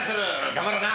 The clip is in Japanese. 頑張ろうな。